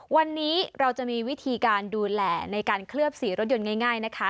วันนี้เราจะมีวิธีการดูแลในการเคลือบสีรถยนต์ง่ายนะคะ